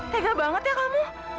tega banget ya kamu